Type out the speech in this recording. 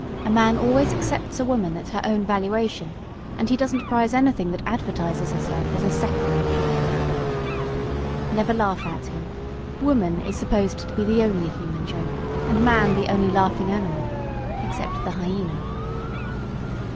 A man always accepts a woman at her own valuation; and he doesn't prize anything that advertises herself as a "second." Never laugh at him. Woman is supposed to be the only human joke and man the only laughing animal except the hyena.